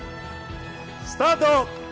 スタート。